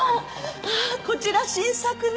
ああこちら新作ね。